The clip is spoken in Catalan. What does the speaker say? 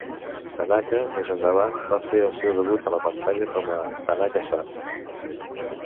Tanaka, més endavant, va fer el seu debut a la pantalla com a "Tanaka-San".